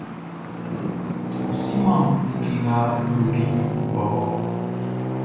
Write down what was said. N siman like nga n yoliʼn bɔbɔ.